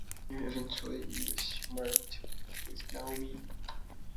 However, Sonia eventually leaves Martin to live with Naomi.